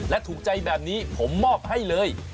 และถูกใจแบบนี้ผมมอบให้เลย